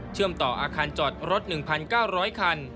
เชื่อมต่ออาคารจอดรถ๑๙๐๐คัน